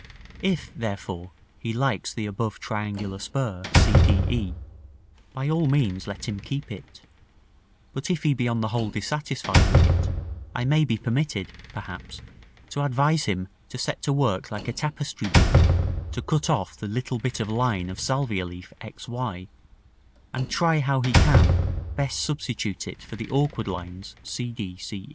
If, therefore, he likes the above triangular spur, c d e, by all means let him keep it; but if he be on the whole dissatisfied with it, I may be permitted, perhaps, to advise him to set to work like a tapestry bee, to cut off the little bit of line of salvia leaf x y, and try how he can best substitute it for the awkward lines c d c e.